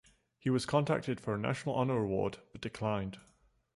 He was contacted for a National Honor Award, but declined.